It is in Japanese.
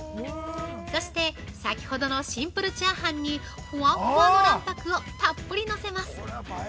◆そして先ほどのシンプルチャーハンにふわふわの卵白をたっぷりのせます。